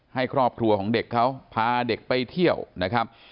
ให้ครอบครัวของเด็กเขาพาเด็กไปเที่ยวนะครับ